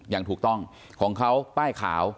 อย่างถูกต้องของเขาป้ายขาว